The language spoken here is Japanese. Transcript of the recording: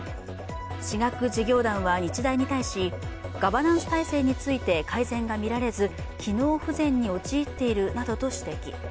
私学事業団は日大に対しガバナンス体制について改善が見られず機能不全に陥っているなどと指摘。